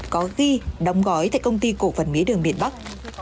có ghi đồng gói tại công ty cổ phần mía đường miền bắc